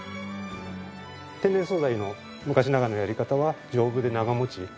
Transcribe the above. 天然素材の昔ながらのやり方は丈夫で長持ち。